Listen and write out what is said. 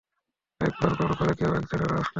একবার কল করে, কেউ একজনের আওয়াজ শুনেছিলাম।